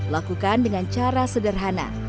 lakukan dengan cara sederhana